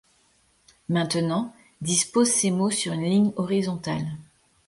Maintenant, dispose ces mots sur une ligne horizontale.